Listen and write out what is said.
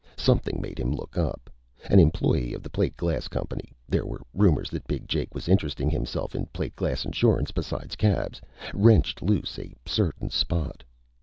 Something made him look up. An employee of the plate glass company there were rumors that Big Jake was interesting himself in plate glass insurance besides cabs wrenched loose a certain spot.